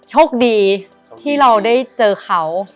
โชคดีที่เราได้เจอเขา